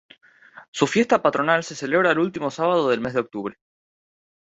Su fiesta patronal se celebra el último sábado del mes de octubre.